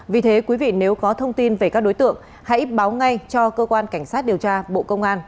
vì thế quý vị nếu có thông tin về các đối tượng hãy báo ngay cho cơ quan cảnh sát điều tra bộ công an